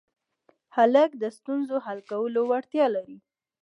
هلک د ستونزو حل کولو وړتیا لري.